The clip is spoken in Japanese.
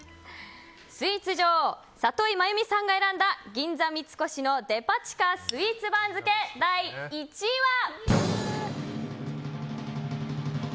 スイーツ女王里井真由美さんが選んだ銀座三越のデパ地下スイーツ番付第１位は。